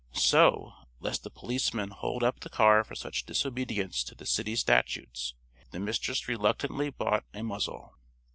So, lest a policeman hold up the car for such disobedience to the city statutes, the Mistress reluctantly bought a muzzle.